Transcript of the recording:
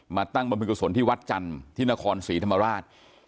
ตั้งบรรพิกุศลที่วัดจันทร์ที่นครศรีธรรมราช